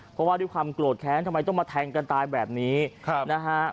เพราะว่าด้วยความโกรธแค้นทำไมต้องมาแทงกันตายแบบนี้นะฮะ